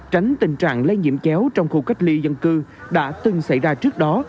tránh tình trạng lây nhiễm chéo trong khu cách ly dân cư đã từng xảy ra trước đó